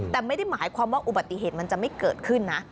แต่ไม่ได้หมายความว่าอุบัติเหตุมันจะไม่เกิดขึ้นนะ